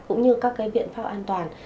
cũng như các biện pháp an toàn